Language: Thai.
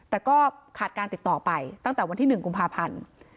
แต่ก็ขาดการติดต่อไปตั้งแต่วันที่๑กุมภาพันธ์